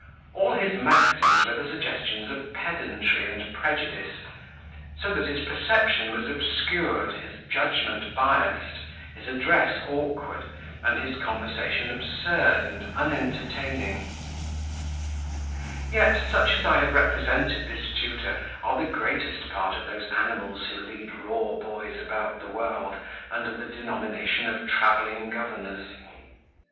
All his maxims were the suggestions of pedantry and prejudice; so that his perception was obscured, his judgment biased, his address awkward, and his conversation absurd and unentertaining: yet such as I have represented this tutor, are the greatest part of those animals who lead raw boys about the world, under the denomination of travelling governors.